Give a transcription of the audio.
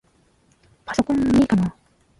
パソコンいいかな？